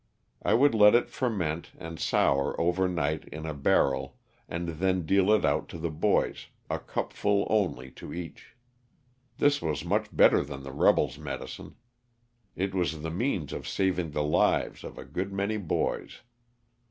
I would let it ferment and sour over night in a barrel, and then deal it out to the boys, a cupful only to each. This was much better than the rebels' medicine. It was the means of saving the lives of a good many boys.